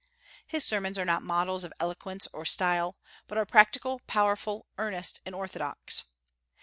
His sermons are not models of eloquence or style, but are practical, powerful, earnest, and orthodox.